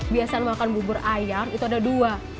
biasa makan bubur ayam itu ada dua